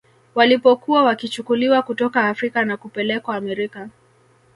Walipokuwa wakichukuliwa kutoka Afrika na kupelekwa Amerika